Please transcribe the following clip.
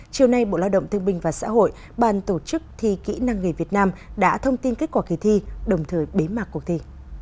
chiều nay bộ lao động thương binh và xã hội bàn tổ chức thi kỹ năng nghề việt nam đã thông tin kết quả kỳ thi đồng thời bế mạc cuộc thi